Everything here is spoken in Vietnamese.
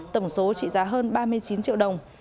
tổng số trị giá hơn ba mươi chín triệu đồng